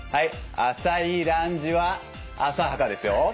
浅いランジは浅はかですよ。